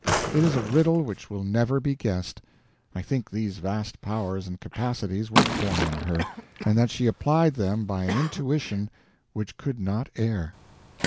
It is a riddle which will never be guessed. I think these vast powers and capacities were born in her, and that she applied them by an intuition which could not err.